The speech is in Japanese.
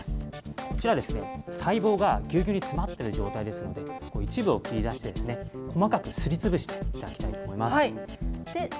こちらはですね、細胞がぎゅうぎゅうに詰まっている状態ですので、一部を切り出して、細かくすりつぶしていただきたいと思います。